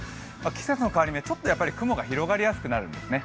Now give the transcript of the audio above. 季節の変わり目、ちょっと雲が広がりやすくなるんですね。